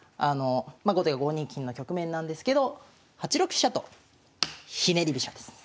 ま後手が５二金の局面なんですけど８六飛車とひねり飛車です。